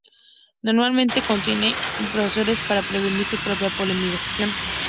Normalmente contiene inhibidores para prevenir su propia polimerización.